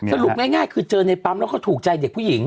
สรุปง่ายคือเจอในปั๊มแล้วก็ถูกใจเด็กผู้หญิง